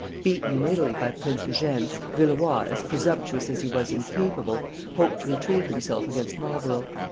Beaten in Italy by Prince Eugene, Villeroi, as presumptuous as he was incapable, hoped to retrieve himself against Marlborough.